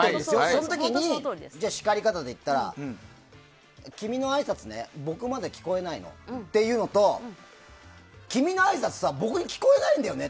その時に、叱り方で言ったら君のあいさつ僕まで聞こえないっていうのと君のあいさつさ、僕に聞こえないんだよね！